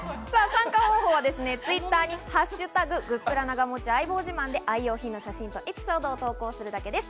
参加方法は、ツイッターに＃グップラ長持ち愛用自慢で、愛用品の写真とエピソードを投稿するだけです。